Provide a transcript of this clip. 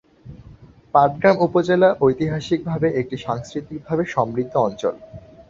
পাটগ্রাম উপজেলা ঐতিহাসিক ভাবে একটি সাংস্কৃতিক ভাবে সমৃদ্ধ অঞ্চল।